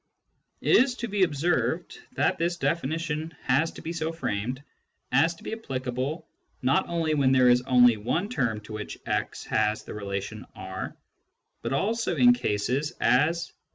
It is to be observed that this definition has to be so framed as to be applicable not only when there is only one term to which x has the relation R, but also in cases (as e.